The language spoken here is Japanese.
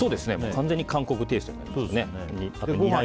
完全に韓国テイストになりますね。